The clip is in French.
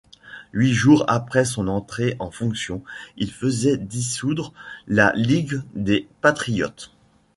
Huit jours après son entrée en fonction, il faisait dissoudre la Ligue des patriotes.